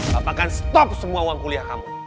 bapak akan stop semua uang kuliah kamu